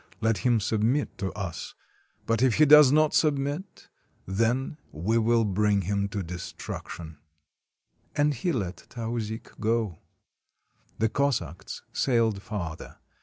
Let him submit to us; but if i66 THE CONQUEST OF SIBERIA he does not submit, then we will bring him to destruc tion." And he let Tauzik go. The Cossacks sailed farther.